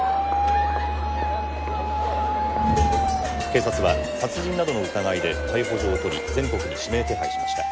警察は殺人などの疑いで逮捕状をとり全国に指名手配しました。